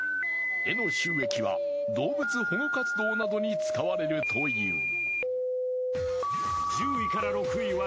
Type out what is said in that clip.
絵の収益は動物保護活動などに使われるという。